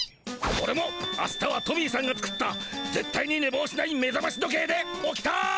オレもあしたはトミーさんが作ったぜっ対にねぼうしないめざまし時計で起きたい！